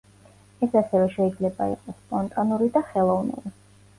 ეს ასევე შეიძლება იყოს სპონტანური და ხელოვნური.